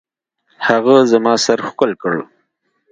هغه زما سر ښکل کړ.